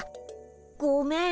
ごめん。